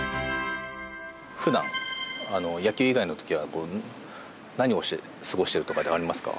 普段、野球以外の時は何をして過ごしているとかありますか。